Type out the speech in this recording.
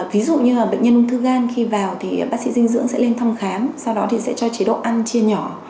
ví dụ như là bệnh nhân thư gan khi vào thì bác sĩ dinh dưỡng sẽ lên thăm khám sau đó thì sẽ cho chế độ ăn chia nhỏ